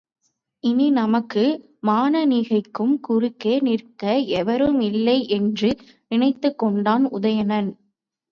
இனி நமக்கும் மானனீகைக்கும் குறுக்கே நிற்க எவருமில்லை என்று நினைத்துக் கொண்டான் உதயணன்.